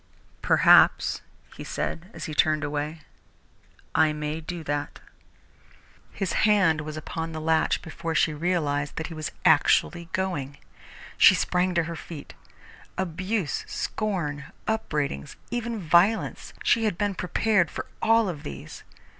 "Perhaps," he said, as he turned away, "I may do that." His hand was upon the latch before she realized that he was actually going. She sprang to her feet. Abuse, scorn, upbraidings, even violence she had been prepared for all of these.